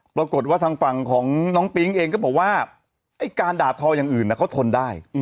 ปรากฏว่าทางฝั่งของน้องปิ๊งเองก็บอกว่าไอ้การด่าทออย่างอื่นเขาทนได้